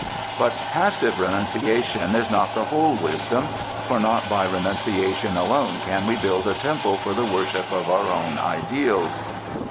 But passive renunciation is not the whole wisdom; for not by renunciation alone can we build a temple for the worship of our own ideals.